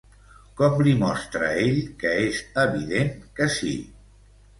Com li mostra ell que és evident que sí?